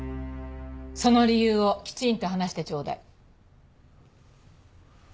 その理由をきちんと話してちょうだい。